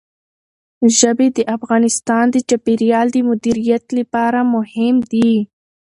ژبې د افغانستان د چاپیریال د مدیریت لپاره مهم دي.